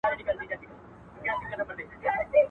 اوس يې نه راوړي رويبار د ديدن زېرئ.